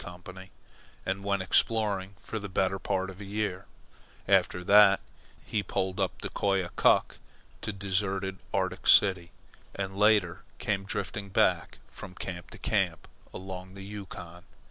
Company, and went exploring for the better part of a year. After that he poled up the Koyokuk to deserted Arctic City, and later came drifting back, from camp to camp, along the Yukon.